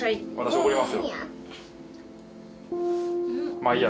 まあいいや。